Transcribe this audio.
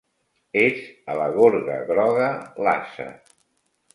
És a la gorga groga l'ase.